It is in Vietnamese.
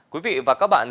quý vị và các bạn